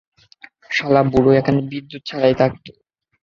শালা বুড়ো এখানে বিদ্যুৎ ছাড়াই থাকতো?